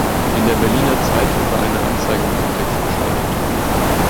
In der Berliner Zeitung war eine Anzeige mit dem Text geschaltet.